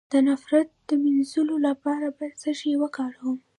د نفرت د مینځلو لپاره باید څه شی وکاروم؟